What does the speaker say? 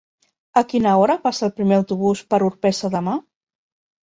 A quina hora passa el primer autobús per Orpesa demà?